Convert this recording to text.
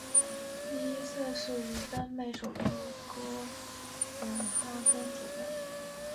第一届赛事于丹麦首都哥本哈根主办。